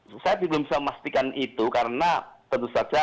saya belum bisa memastikan itu karena tentu saja